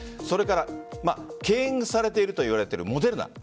それから敬遠されているといわれているモデルナ。